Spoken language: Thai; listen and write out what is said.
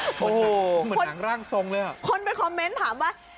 เหมือนหนังร่างทรงเลยอ่ะคนไปคอมเมนต์ถามว่า